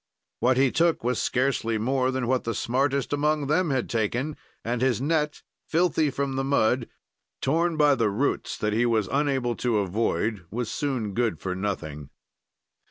"What he took was scarcely more than what the smartest among them had taken, and his net, filthy from the mud, torn by the roots that he was unable to avoid, was soon good for nothing."